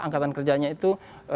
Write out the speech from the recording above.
angkatan kerjanya itu